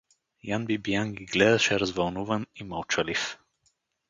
Ян Бибиян ги гледаше развълнуван и мълчалив.